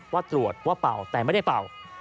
ว่าตรวจว่าเป่าแต่ไม่ได้เป่า